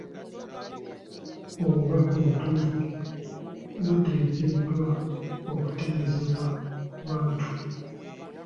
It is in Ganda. Obubaka obutuufu buteekeddwa okutegeezebwa abantu.